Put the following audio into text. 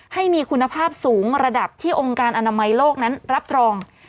ให้มีคุณภาพสูงระดับที่องค์การอนามัยโลกนั้นรับรอง